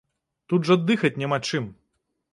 Тут жа дыхаць няма чым!